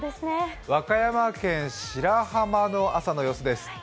和歌山県白浜の朝の様子です。